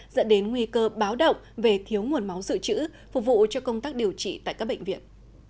dẫn đến nguy cơ báo động về thiếu nguồn máu dự trữ phục vụ cho công tác điều trị tại các bệnh viện